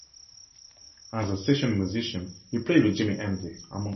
As a session musician, he played with Jimi Hendrix, among others.